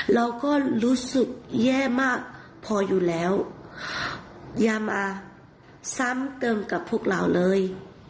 เราก็รู้สึกแย่มากพออยู่แล้วอย่ามาซ้ำเติมกับพวกเราเลย